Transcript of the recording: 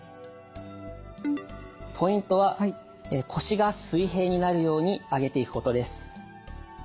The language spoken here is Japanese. ポイントは腰が水平になるように上げていくことです。